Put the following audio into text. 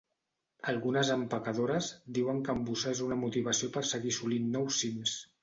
Algunes empacadores diuen que embossar és una motivació per seguir assolint nous cims.